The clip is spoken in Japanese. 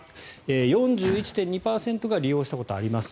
４１．２％が利用したことあります。